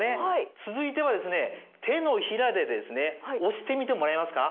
続いては手のひらで押してみてもらえますか？